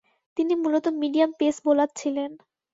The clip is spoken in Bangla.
তিনি মূলতঃ মিডিয়াম পেস বোলার ছিলেন।